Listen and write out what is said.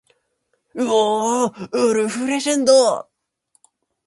Qaidam Basin Desert.